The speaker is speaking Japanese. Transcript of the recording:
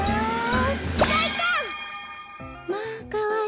まあかわいい。